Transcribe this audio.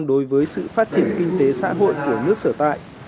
đối với sự phát triển kinh tế xã hội của nước sở tại